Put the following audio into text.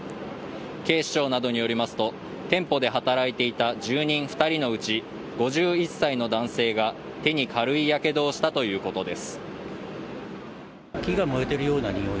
警視庁などによりますと店舗で働いていた住人２人のうち５１歳の男性が手に軽いやけどをしたということです。